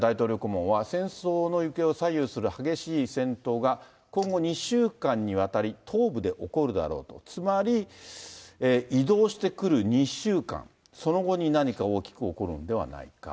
ウクライナの大統領顧問は、戦争の行方を左右する激しい戦闘が今後２週間にわたり、東部で起こるだろうと、つまり移動してくる２週間、その後に何か大きく起こるのではないか。